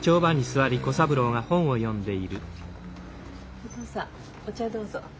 お義父さんお茶どうぞ。